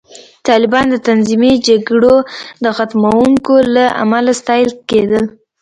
طالبان د تنظیمي جګړو د ختموونکو له امله ستایل کېدل